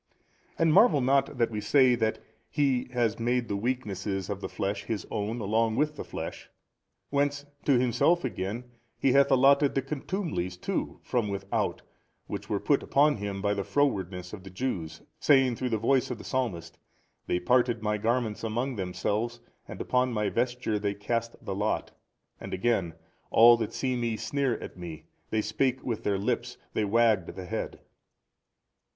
And marvel not that we say that He has made the weaknesses |294 of the flesh His own along with the flesh: whence to Himself again hath He allotted the contumelies too from without, which were put upon Him by the frowardness of the Jews, saying through the voice of the Psalmist, They parted My garments among themselves and upon My vesture they cast the lot, and again, All that see Me sneered at Me, they spake with their lips, they wagged the head.